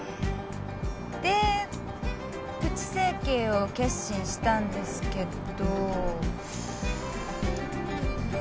でプチ整形を決心したんですけど。